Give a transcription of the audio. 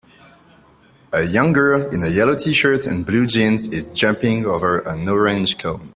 A young girl in a yellow tshirt and blue jeans is jumping over an orange cone.